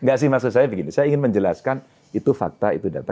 enggak sih maksud saya begini saya ingin menjelaskan itu fakta itu data